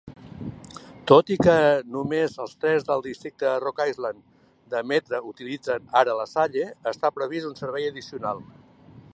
Tot i que només els trens del districte de Rock Island de Metra utilitzen ara LaSalle, està previst un servei addicional.